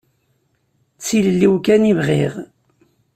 D tilelli-w kan i bɣiɣ.